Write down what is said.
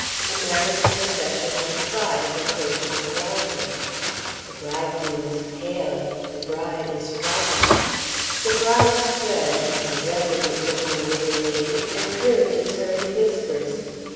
A marriage procession of five approaches the altar The bridegroom is pale, and the bride is frightened. The bride's friend (a resolute looking little lady) encourages her in whispers.